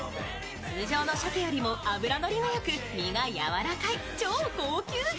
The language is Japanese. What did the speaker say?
通常の鮭よりも脂のりがよく身がやわらかい超高級魚。